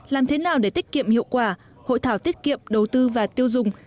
làm thế nào để tiết kiệm hiệu quả hội thảo tiết kiệm đầu tư và tiêu dùng